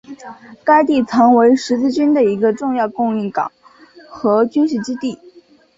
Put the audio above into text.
该地曾为十字军的一个重要的供应港和军事基地。